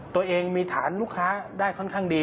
ตัวเองมีฐานลูกค้าได้ค่อนข้างดี